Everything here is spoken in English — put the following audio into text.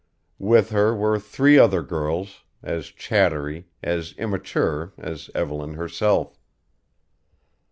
With her were three other girls, as chattery, as immature, as Evelyn herself.